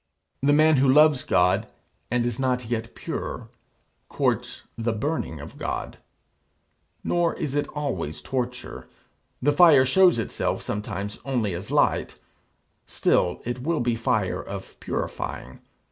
The man who loves God, and is not yet pure, courts the burning of God. Nor is it always torture. The fire shows itself sometimes only as light still it will be fire of purifying.